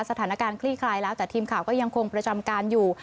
สถานการณ์คลี่คลายแล้วแต่ทีมข่าวก็ยังคงประจำกันอยู่